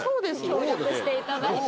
協力していただいて。